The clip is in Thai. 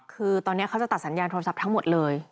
คือตอนนี้เขาจะตัดสัญญาณโทรศัพท์ทั้งหมดเลย